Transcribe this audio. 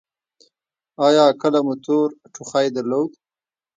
ایا کله مو تور ټوخی درلود؟